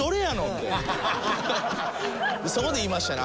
そこで言いましたね。